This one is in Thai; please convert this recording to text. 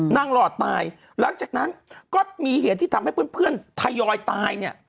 หลอดตายหลังจากนั้นก็มีเหตุที่ทำให้เพื่อนทยอยตายเนี่ย